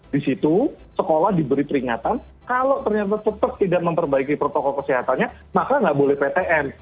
di situ sekolah diberi peringatan kalau ternyata tetap tidak memperbaiki protokol kesehatannya maka nggak boleh ptm